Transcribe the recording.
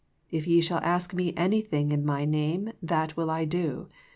If ye shall ask Me anything in My name, that will I do."